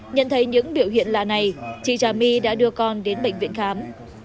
nhận thấy những biểu hiện lạ này chị trà my đã đưa con đến bệnh viện khám